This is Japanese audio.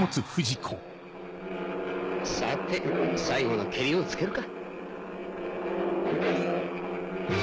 さて最後のケリをつけるか。